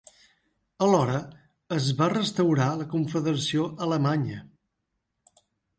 Alhora, es va restaurar la Confederació alemanya.